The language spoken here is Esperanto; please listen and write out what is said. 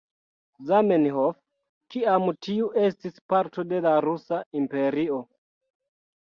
Zamenhof, kiam tiu estis parto de la Rusa Imperio.